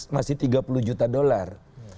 dua ribu lima belas masih tiga puluh juta dollar